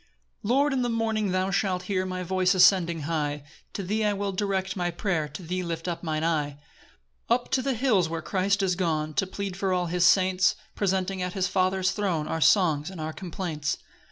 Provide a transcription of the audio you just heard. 1 Lord, in the morning thou shalt hear My voice ascending high; To thee will I direct my prayer, To thee lift up mine eye; 2 Up to the hills where Christ is gone To plead for all his saints, Presenting at his Father's throne Our songs and our complaints.